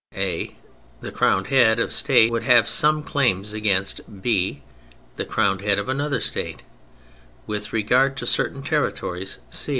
A, the crow^ned head of a State, would have some claims against B, the crowned head of another State, with regard to certain territories.